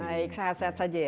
baik sehat sehat saja ya